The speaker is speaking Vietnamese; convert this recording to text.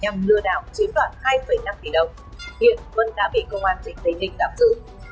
nhằm lừa đảo chiếm đoạn hai năm tỷ đồng hiện vân đã bị công an tỉnh tây ninh đảm dự